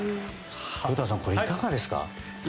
古田さん、いかがですか？